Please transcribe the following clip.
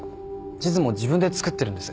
地図も自分で作ってるんです。